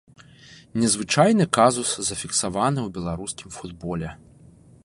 Незвычайны казус зафіксаваны ў беларускім футболе.